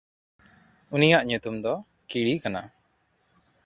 ᱩᱱᱤᱭᱟᱜ ᱧᱩᱛᱩᱢ ᱫᱚ ᱠᱤᱲᱤ ᱠᱟᱱᱟ᱾